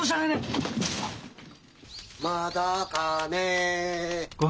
まだかねえ。